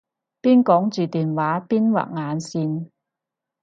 邊講住電話邊畫眼線